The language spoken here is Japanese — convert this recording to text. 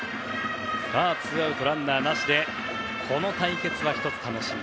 ツーアウトランナーなしでこの対決は１つ、楽しみ。